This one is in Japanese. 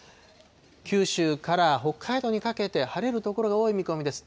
九州から北海道にかけて晴れる所が多い見込みです。